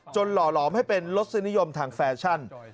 หล่อหลอมให้เป็นรสนิยมทางแฟชั่น